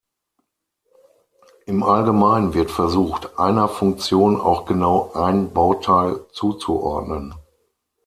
Im Allgemeinen wird versucht, "einer" Funktion auch genau "ein" Bauteil zuzuordnen.